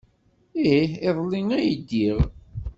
Ih, iḍelli ay ddiɣ.